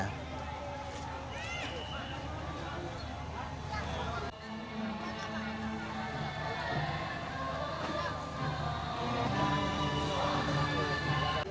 kini masyarakat aceh mengenang peristiwa itu sebagai musibah besar